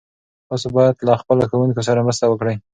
تاسو باید له خپلو ښوونکو سره مرسته وکړئ.